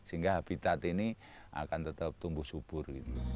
sehingga habitat ini akan tetap tumbuh subur